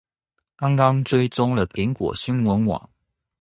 剛才追蹤了蘋果新聞網